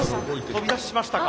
飛び出しましたか？